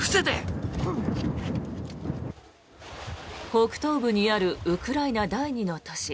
北東部にあるウクライナ第２の都市